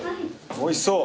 おいしそう。